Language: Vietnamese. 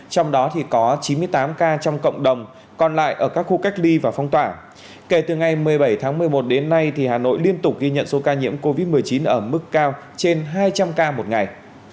trong đó có chín mươi tám ca trong cộng đồng còn lại ở các khu cách ly và phong tỏa kể từ ngày một mươi bảy tháng một mươi một đến nay hà nội liên tục ghi nhận số ca nhiễm covid một mươi chín ở mức cao trên hai trăm linh ca một ngày